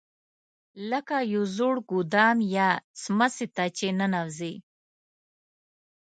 لکه یو زوړ ګودام یا څمڅې ته چې ننوځې.